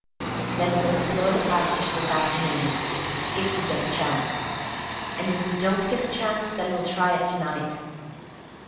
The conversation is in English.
"Then we'll explore the passage this afternoon, if we get the chance. And if we don't get the chance, then we'll try it to night."